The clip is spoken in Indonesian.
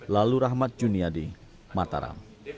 lalu rahmat juniadi mataram